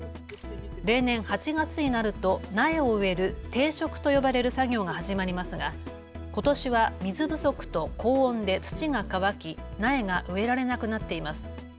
例年８月になると苗を植える定植と呼ばれる作業が始まりますが、ことしは水不足と高温で土が乾き苗が植えられなくなっています。